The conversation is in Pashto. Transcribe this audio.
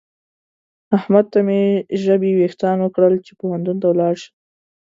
احمد ته مې ژبې وېښتان وکړل چې پوهنتون ته ولاړ شه.